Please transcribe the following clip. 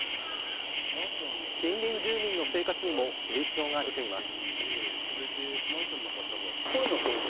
近隣住民の生活にも影響が出ています。